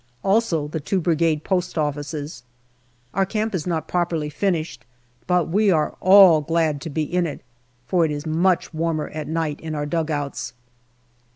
Also the two Brigade post offices. Our camp is not properly finished, but we are all glad to be in it, for it is much warmer at night in our dugouts.